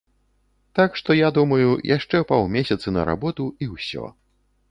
Так што я думаю, яшчэ паўмесяцы на работу, і ўсё.